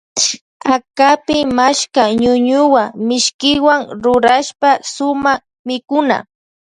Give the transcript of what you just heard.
Akapi machka ñuñuwa mishkiwan rurashpa suma mikuna.